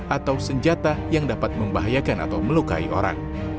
atau senjata yang dapat membahayakan atau melukai orang